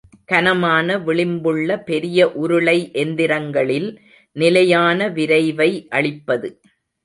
கனமான விளிம்புள்ள பெரிய உருளை எந்திரங்களில் நிலையான விரைவை அளிப்பது.